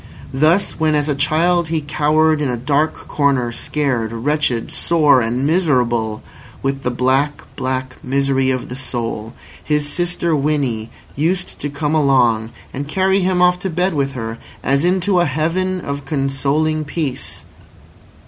Thus when as a child he cowered in a dark corner scared, wretched, sore, and miserable with the black, black misery of the soul, his sister Winnie used to come along, and carry him off to bed with her, as into a heaven of consoling peace.